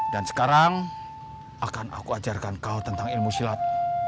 dan sekarang akan aku ajarkan kau tentang ilmu silat